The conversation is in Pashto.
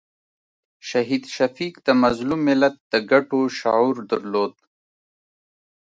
شهید شفیق د مظلوم ملت د ګټو شعور درلود.